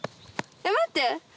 待って！